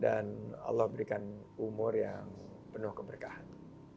dan allah berikan umur yang penuh keberkahan